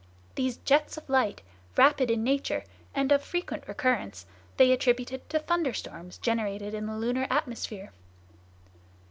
These jets of light, rapid in nature, and of frequent recurrence, they attributed to thunderstorms generated in the lunar atmosphere."